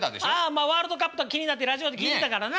まあワールドカップとか気になってラジオで聴いてたからな。